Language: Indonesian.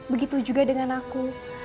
begitu juga dengan aku